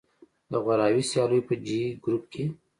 د غوراوي سیالیو په جې ګروپ کې